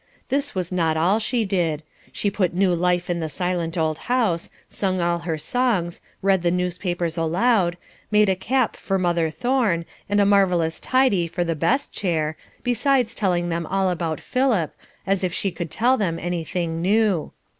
This was not all she did. She put new life in the silent old house, sung all her songs, read the newspapers aloud, made a cap for mother Thorne, and a marvellous tidy for the best chair, besides telling them all about Philip, as if she could tell them anything new.